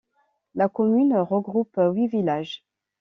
La commune regroupe huit villages.